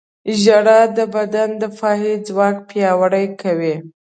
• ژړا د بدن دفاعي ځواک پیاوړی کوي.